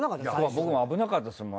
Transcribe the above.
僕も危なかったですもん。